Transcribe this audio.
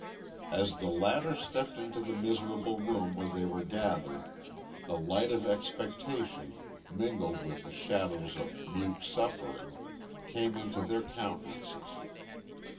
As the latter stepped into the miserable room where they were gathered, the light of expectation, mingled with the shadows of mute suffering, came into their countenances.